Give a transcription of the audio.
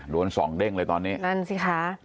ล้วนส่องเด้งเลยตอนนี้